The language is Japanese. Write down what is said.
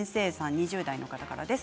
２０代の方です。